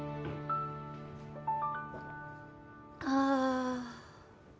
ああ。